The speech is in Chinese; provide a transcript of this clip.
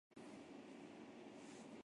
萨摩国出身。